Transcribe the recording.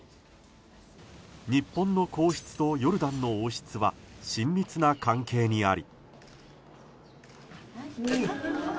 日本の皇室とヨルダンの王室は親密な関係にあり。